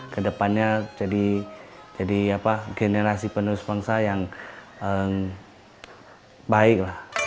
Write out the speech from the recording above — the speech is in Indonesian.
ke depannya jadi generasi penerus bangsa yang baik